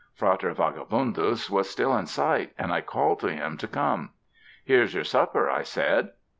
Frater Vagabundus was still in sight, and I called to him to come. "Here's your supper," I said.